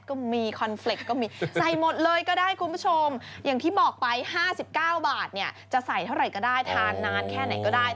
ก็มีคอนเฟรกต์ก็มีใส่หมดเลยก็ได้คุณผู้ชมอย่างที่บอกไป๕๙บาทเนี่ยจะใส่เท่าไหร่ก็ได้ทานนานแค่ไหนก็ได้